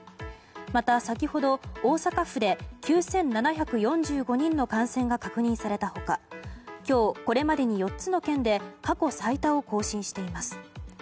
また先ほど大阪府で９７４５人の感染が確認された他、今日これまでに４つの県で過去最多を更新しています。